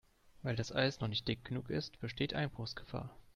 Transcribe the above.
Weil das Eis noch nicht dick genug ist, besteht Einbruchsgefahr.